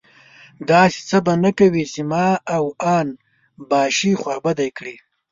داسې څه به نه کوې چې ما او اون باشي خوابدي کړي.